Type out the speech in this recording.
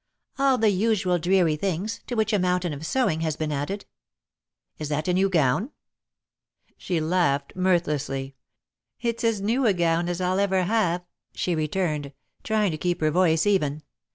"All the usual dreary things, to which a mountain of sewing has been added." "Is that a new gown?" She laughed, mirthlessly. "It's as new a gown as I'll ever have," she returned, trying to keep her voice even.